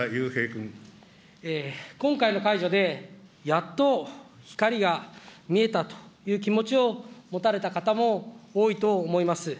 今回の解除で、やっと光が見えたという気持ちを持たれた方も多いと思います。